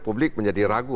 publik menjadi ragu